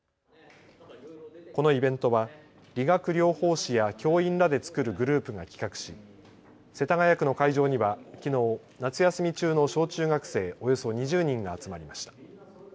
このイベントは理学療法士や教員らで作るグループが企画し世田谷区の会場にはきのう、夏休み中の小中学生およそ２０人が集まりました。